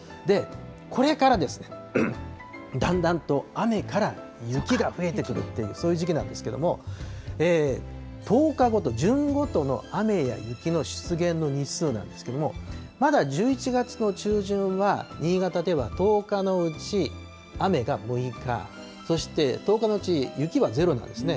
これからですね、だんだんと雨から雪が増えてくるっていう、そういう時期なんですけれども、１０日ごと、じゅんごとの雨や雪の出現の日数なんですけれども、まだ１１月の中旬は、新潟では１０日のうち、雨が６日、そして１０日のうち雪は０なんですね。